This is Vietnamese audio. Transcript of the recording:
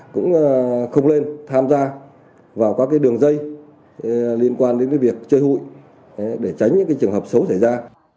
cũng không lên tham gia vào các đường dây liên quan đến việc chơi hụi để tránh những trường hợp xấu xảy ra